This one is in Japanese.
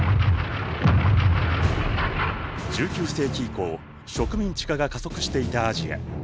１９世紀以降植民地化が加速していたアジア。